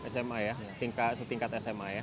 sma ya setingkat sma ya